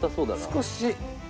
少し。